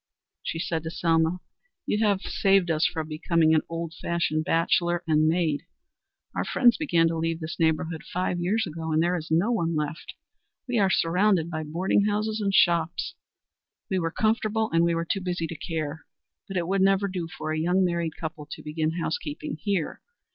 She said to Selma: "You have saved us from becoming an old fashioned bachelor and maid. Our friends began to leave this neighborhood five years ago, and there is no one left. We are surrounded by boarding houses and shops. We were comfortable, and we were too busy to care. But it would never do for a young married couple to begin house keeping here.